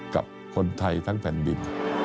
กับคนไทยทั้งแผ่นดิน